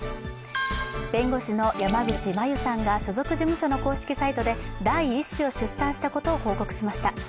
弁護士の山口真由さんが所属事務所の公式サイトで第１子を出産したことを報告しました。